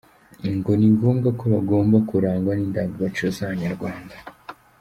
Ngo ni ngombwa ko bagomba kurangwa n’indangagacira z’Abanyarwanda.